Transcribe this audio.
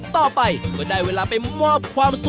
ต่อไปก็ได้เวลาไปมอบความสุข